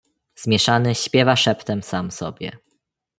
"Zmieszany śpiewa szeptem sam sobie."